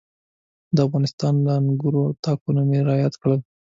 د افغانستان د انګورو تاکونه مې را یاد کړل.